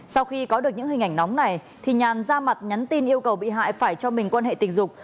sau khi có được những hình ảnh nóng này thì nhàn ra mặt nhắn tin yêu cầu bị hại phải cho mình quan hệ tình dục